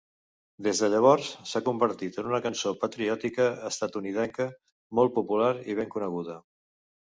Des de llavors s'ha convertit en una cançó patriòtica estatunidenca molt popular i ben coneguda.